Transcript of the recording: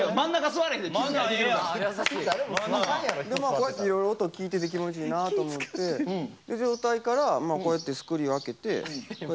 こうやっていろいろ音聞いてて気持ちいいなと思って。って状態からこうやってスクリュー開けて。